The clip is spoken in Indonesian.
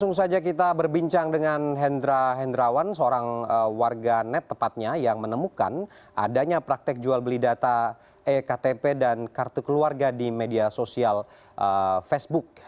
langsung saja kita berbincang dengan hendra hendrawan seorang warga net tepatnya yang menemukan adanya praktek jual beli data ektp dan kartu keluarga di media sosial facebook